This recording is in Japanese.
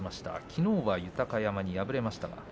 きのうは豊山に敗れました。